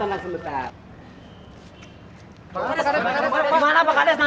gimana pak kades